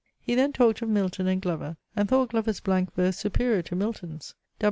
He then talked of Milton and Glover, and thought Glover's blank verse superior to Milton's.